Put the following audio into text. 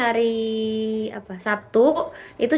mbak erin pernah nggak datang ke acara tersebut